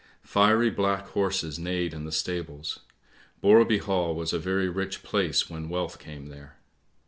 Fiery black horses neighed in the stables; Borreby Hall was a very rich place when wealth came there.